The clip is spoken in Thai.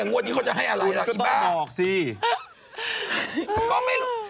ก็ต้องบอกสิบอกไม่รู้